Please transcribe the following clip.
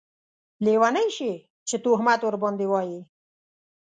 لیونۍ شې چې تهمت ورباندې واېې